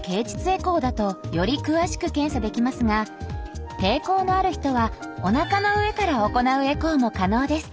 エコーだとより詳しく検査できますが抵抗のある人はおなかの上から行うエコーも可能です。